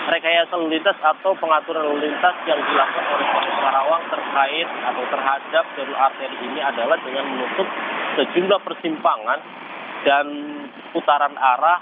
rekayasa lalu lintas atau pengaturan lalu lintas yang dilakukan oleh polres karawang terkait atau terhadap jalur arteri ini adalah dengan menutup sejumlah persimpangan dan putaran arah